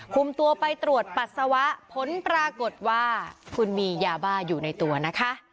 คุมตัวไปตรวจปัสสาวะผลปรากฏว่าคุณมียาบ้าอยู่ในตัวนะคะ